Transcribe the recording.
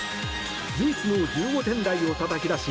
唯一の１５点台をたたき出し